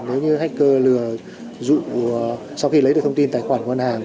nếu như hacker lừa dụ sau khi lấy được thông tin tài khoản ngân hàng